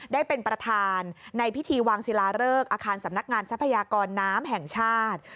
ได้เป็นประธานในพิธีวางศิลาเริกอาคารสำนักงานทรัพยากรน้ำแห่งชาติ